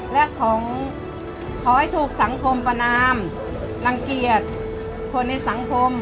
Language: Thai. และขอให้ถูกสังคมประนามรังเกียจคนในสังคม